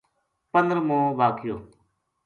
پندرمو واقعو